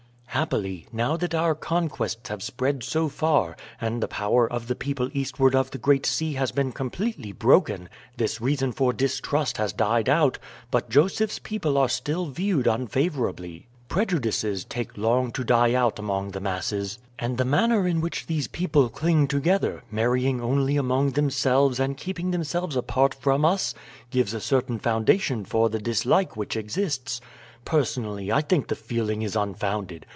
"Happily, now that our conquests have spread so far, and the power of the people eastward of the Great Sea has been completely broken, this reason for distrust has died out, but Joseph's people are still viewed unfavorably. Prejudices take long to die out among the masses, and the manner in which these people cling together, marrying only among themselves and keeping themselves apart from us, gives a certain foundation for the dislike which exists. Personally, I think the feeling is unfounded.